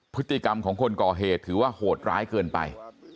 พฤติกรรมของคนก่อเหตุถือว่าโหดร้ายเกินไป